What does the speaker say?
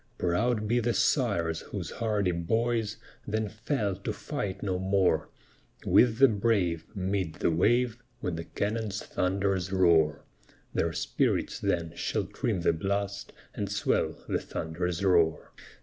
Proud be the sires, whose hardy boys Then fell to fight no more: With the brave, mid the wave; When the cannon's thunders roar, Their spirits then shall trim the blast, And swell the thunder's roar.